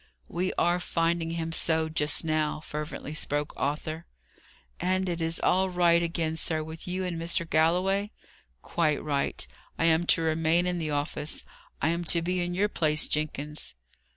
"We are finding Him so, just now," fervently spoke Arthur. "And it is all right again, sir, with you and Mr. Galloway?" "Quite right. I am to remain in the office. I am to be in your place, Jenkins."